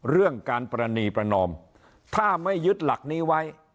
เรื่องการปรณีประนอมถ้าไม่ยึดหลักนี้ไว้